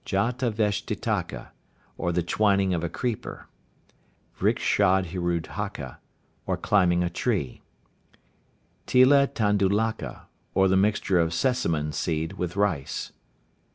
Jataveshtitaka, or the twining of a creeper. Vrikshadhirudhaka, or climbing a tree. Tila Tandulaka, or the mixture of sesamum seed with rice.